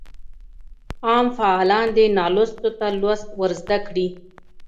عام فعالان دي نالوستو ته لوست ورزده کړي.